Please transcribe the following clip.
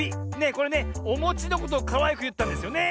これねおもちのことをかわいくいったんですよね？